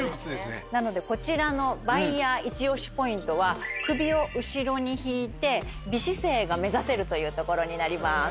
なのでこちらのバイヤー一押しポイントは首を後ろに引いて美姿勢が目指せるというところになります。